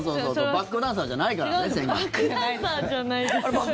バックダンサーじゃないからね。